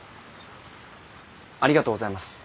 ありがとうございます。